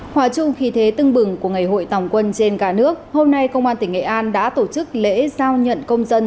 hòa chung khi thế tưng bừng của ngày hội tòng quân trên cả nước hôm nay công an tỉnh nghệ an đã tổ chức lễ giao nhận công dân